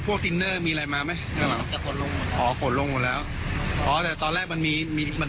อ๋อลุกตอนจอดพอดีใช่ป่ะ